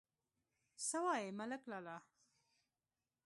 _څه وايې، ملک لالا!